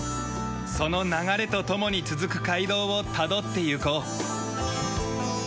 その流れと共に続く街道をたどっていこう。